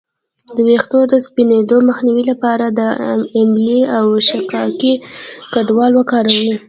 د ویښتو د سپینیدو مخنیوي لپاره د املې او شیکاکای ګډول وکاروئ